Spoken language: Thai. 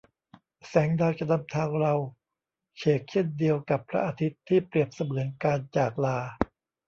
แสงดาวจะนำทางเราเฉกเช่นเดียวกับพระอาทิตย์ที่เปรียบเสมือนการจากลา